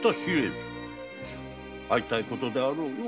会いたいことであろうの。